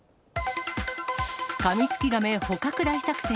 カミツキガメ捕獲大作戦。